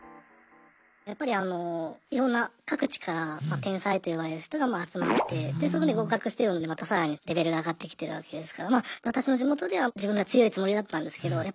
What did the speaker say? やっぱりいろんな各地から天才と呼ばれる人が集まってそこで合格してるのでまた更にレベルが上がってきてるわけですから私の地元では自分が強いつもりだったんですけど